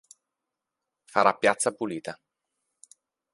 Farà piazza pulita.